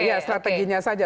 iya strateginya saja